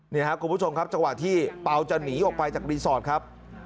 นี่ครับคุณผู้ชมครับจังหวะที่เปล่าจะหนีออกไปจากรีสอร์ทครับ